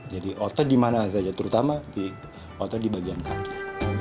jadi otot dimana saja terutama di bagian kaki